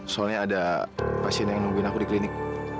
soalnya ada pasien yang nungguin aku di klinik